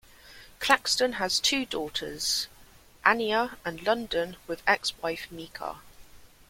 Claxton has two daughters, Aniya and London with ex-wife Meeka.